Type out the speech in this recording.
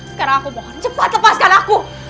sekarang aku mohon cepat lepaskan aku